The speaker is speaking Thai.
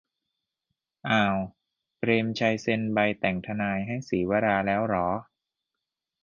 "อ่าว เปรมชัยเซ็นใบแต่งทนายให้ศรีวราห์แล้วหรอ"